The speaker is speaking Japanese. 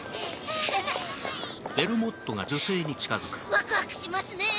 ワクワクしますね！